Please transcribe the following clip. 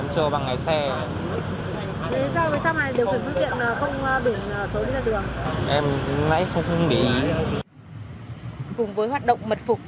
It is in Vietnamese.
cùng với hoạt động mật phục